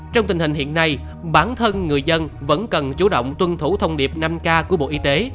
trong tình hình hiện nay bản thân người dân vẫn cần chủ động tuân thủ thông điệp năm k của bộ y tế